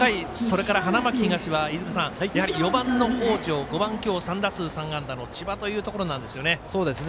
この回、花巻東はやはり４番の北條、５番今日３打数３安打の千葉というところなんですよね。